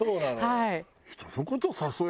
はい。